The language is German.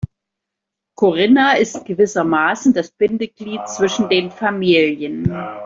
Corinna ist gewissermaßen das Bindeglied zwischen den Familien.